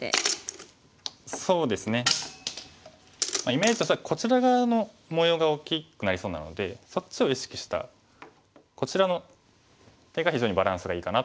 イメージとしてはこちら側の模様が大きくなりそうなのでそっちを意識したこちらの手が非常にバランスがいいかなと思います。